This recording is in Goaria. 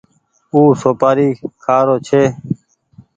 او سوپآري کآ رو ڇي ۔